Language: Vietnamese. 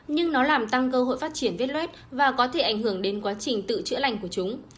nhưng nó làm tăng cơ hội phát triển vết luet và có thể ảnh hưởng đến quá trình tự chữa lành của chúng